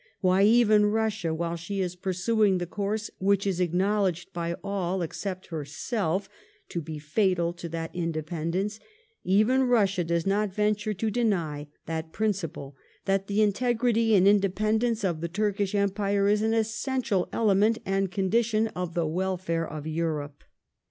Why, even Russia, while she is pnrsning the course which is acknowledged by all, except her* self, to be fatal to that independence— eyen Russia does not yenture to deny that principle that the integrity and independence of the Turkish Empire is an essential element and condition of the welfare of Europe.